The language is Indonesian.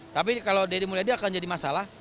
tapi kalau deddy mulyadi akan jadi masalah